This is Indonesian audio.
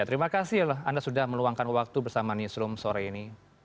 terima kasih anda sudah meluangkan waktu bersama newsroom sore ini